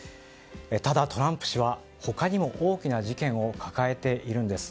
ただ、トランプ氏は他にも大きな事件を抱えているんです。